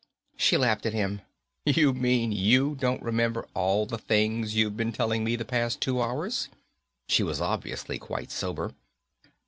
She laughed at him. "You mean you don't remember all the things you've been telling me the past two hours?" She was obviously quite sober.